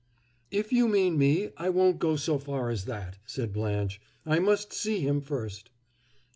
"If you mean me, I won't go so far as that," said Blanche. "I must see him first."